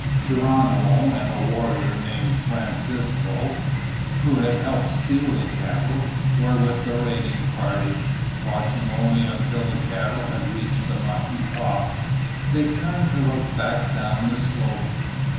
Geronimo and a warrior named Francisco, who had helped steal the cattle, were with the raiding party. Watching only until the cattle had reached the mountain top, they turned to look back down the slope.